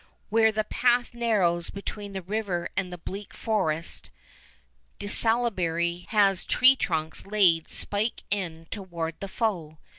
Where the path narrows between the river and the bleak forest, De Salaberry has tree trunks laid spike end towards the foe.